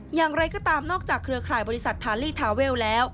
อย่างไรก็ตามนอกจากเครือข่ายบริษัททาลีทาเวลแล้ว